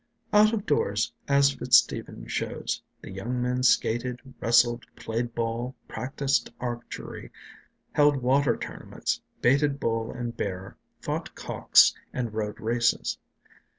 Out of doors, as Fitz Stephen shows, the young men skated, wrestled, played ball, practiced archery, held water tournaments, baited bull and bear, fought cocks, and rode races.